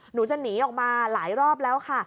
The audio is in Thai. หนูจะหนีออกมาหลายรอบแล้วค่ะ